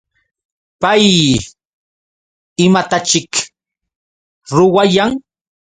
¿Pay imataćhik ruwayan?